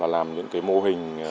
làm những mô hình